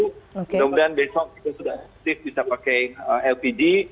kemudian besok kita sudah aktif bisa pakai lpd